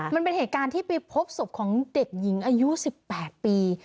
มันเป็นเหตุการณ์ที่ไปพบศพของเด็กหญิงอายุ๑๘ปี